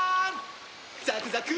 ザクザク！